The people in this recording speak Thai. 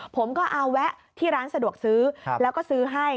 ผมก็เอาแวะที่ร้านสะดวกซื้อแล้วก็ซื้อให้